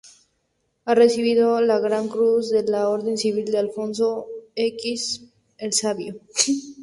Ha recibido la Gran Cruz de la Orden Civil de Alfonso X el Sabio.